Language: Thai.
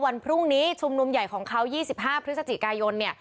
วันพรุ่งนี้ชุมนุมใหญ่ของเขา๒๕พฤศจิกายนเนี่ย